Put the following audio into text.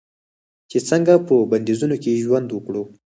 چې څنګه په بندیزونو کې ژوند وکړو.